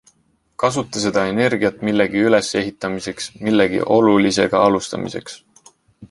Kasuta seda energiat millegi ülesehitamiseks, millegi olulisega alustamiseks.